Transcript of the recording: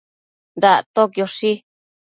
Dactoquioshi